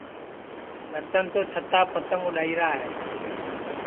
رتن تو چھتاپ پتنٚگ اُڈؔائیرا ہے